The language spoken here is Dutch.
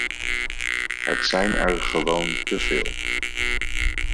Het zijn er gewoon te veel.